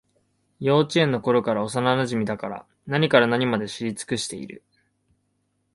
幼稚園のころからの幼なじみだから、何から何まで知り尽くしている